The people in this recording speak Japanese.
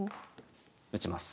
打ちます。